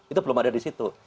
itu belum ada di situ